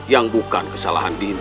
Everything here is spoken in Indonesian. yang bukan kesalahan dinda